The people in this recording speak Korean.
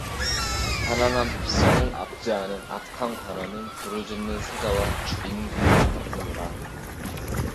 가난한 백성을 압제하는 악한 관원은 부르짖는 사자와 주린 곰 같으니라